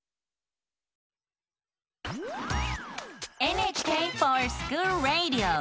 「ＮＨＫｆｏｒＳｃｈｏｏｌＲａｄｉｏ」！